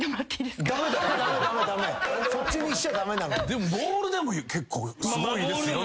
でもボールでも結構すごいですよね？